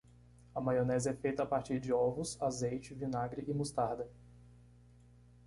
A maionese é feita a partir de ovos, azeite, vinagre e mostarda.